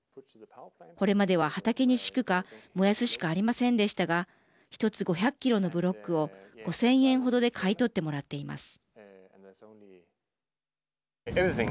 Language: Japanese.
これまでは畑に敷くか燃やすしかありませんでしたが１つ、５００キロのブロックを５０００円程で買い取ってもらっています。